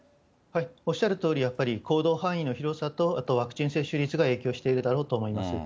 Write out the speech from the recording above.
おっしゃるとおり、やっぱり行動範囲の広さと、あとワクチン接種率が影響しているだろうと思います。